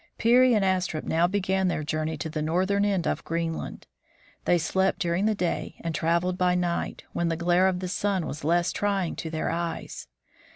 Peary and Astrup now began their journey to the northern end of Greenland. They slept during the day and traveled by night, when the glare of the sun was less trying to their eyes.